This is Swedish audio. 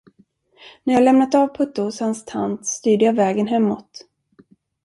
När jag lämnat av Putte hos hans tant, styrde jag vägen hemåt.